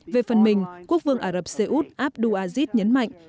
về phần mình quốc vương ả rập xê út abdul aziz nhấn mạnh